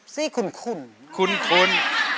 ซี่คุ้น